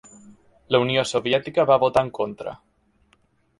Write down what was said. La Unió Soviètica va votar en contra.